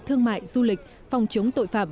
thương mại du lịch phòng chống tội phạm